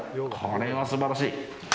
これは素晴らしい。